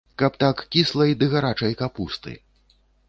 Каб так кіслай ды гарачай капусты.